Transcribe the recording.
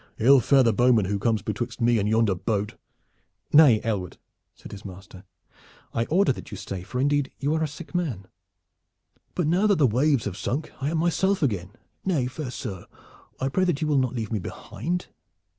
Ill fare the bowman who comes betwixt me and yonder boat!" "Nay, Aylward," said his master, "I order that you stay, for indeed you are a sick man." "But now that the waves have sunk I am myself again. Nay, fair sir, I pray that you will not leave me behind."